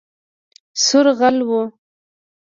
سور غل وو